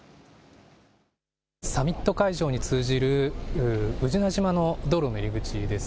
サミット会場に通じる宇品島の道路の入り口です。